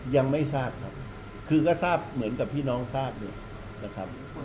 ยังไม่ทราบครับคือก็ทราบเหมือนกับพี่น้องทราบอยู่นะครับ